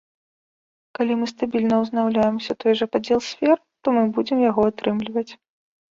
Калі мы стабільна ўзнаўляем усё той жа падзел сфер, то мы будзем яго атрымліваць.